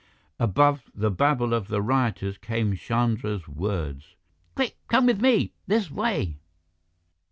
Above the babble of the rioters came Chandra's words: "Quick! Come with me this way!"